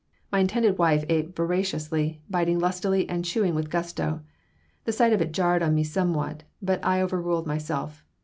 My intended wife ate voraciously, biting lustily and chewing with gusto. The sight of it jarred on me somewhat, but I overruled myself.